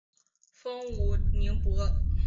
封威宁伯。